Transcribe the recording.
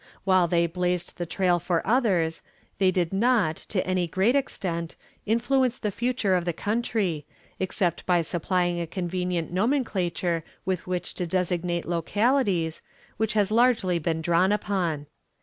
While they blazed the trail for others, they did not, to any great extent, influence the future of the country, except by supplying a convenient nomenclature with which to designate localities, which has largely been drawn upon.